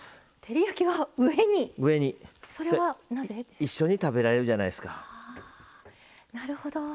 一緒に食べられるじゃないですか。